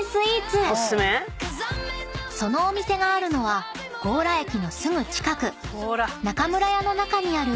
［そのお店があるのは強羅駅のすぐ近く中村屋の中にある］